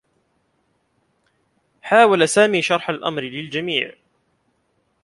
حاول سامي شرح الأمر للجميع.